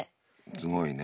すごいね。